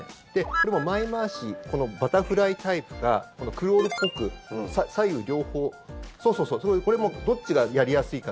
これも、前回しバタフライタイプかクロールっぽく左右両方これもどっちがやりやすいか。